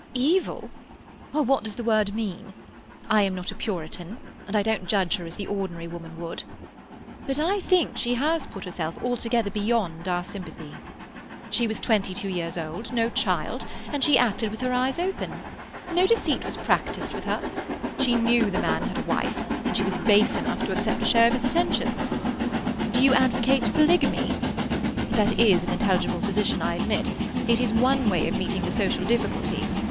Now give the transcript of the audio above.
"Evil? Well, what does the word mean? I am not a Puritan, and I don't judge her as the ordinary woman would. But I think she has put herself altogether beyond our sympathy. She was twenty two years old—no child—and she acted with her eyes open. No deceit was practised with her. She knew the man had a wife, and she was base enough to accept a share of his attentions. Do you advocate polygamy? That is an intelligible position, I admit. It is one way of meeting the social difficulty.